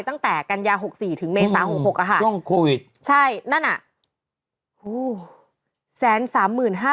ตั้งแต่กันยา๖๔ถึงเมษา๖๖ช่วงโควิดใช่นั่นอ่ะ